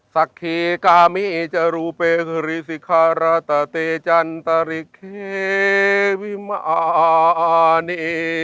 สักขีกามีจรุเปธริสิขระตตะเตชันตะหริเกเวียวิมะอ่าเน